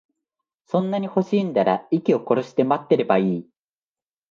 そんなに欲しいんなら、息を殺して待ってればいい。